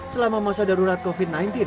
selama masa darurat covid sembilan belas